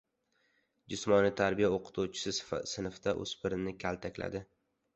Jismoniy tarbiya o‘qituvchisi sinfda o‘spirinni kaltakladi